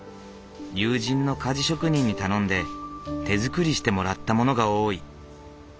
友人の鍛冶職人に頼んで手作りしてもらったものが多い。